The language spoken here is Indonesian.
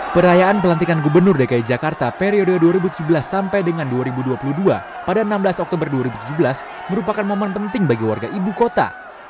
perayaan pelantikan gubernur dki jakarta periode dua ribu tujuh belas sampai dengan dua ribu dua puluh dua pada enam belas oktober dua ribu tujuh belas merupakan momen penting bagi warga ibu kota